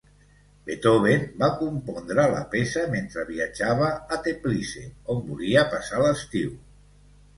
Beethoven va compondre la peça mentre viatjava a Teplice, on volia passar l'estiu.